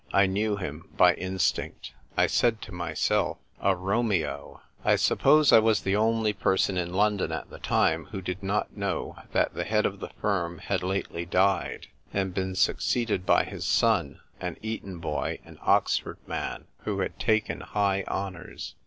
I knew him as by instinct. I said to myself, " A Romeo !" 1 suppose I was the only person in London at the time who did not know that the head of the firm had lately died, and been suc ceeded by his son, an Eton boy and Oxford man, who had taken high honours.